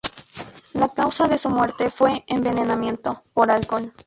La causa de su muerte fue envenenamiento por alcohol.